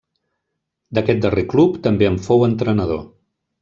D'aquest darrer club també en fou entrenador.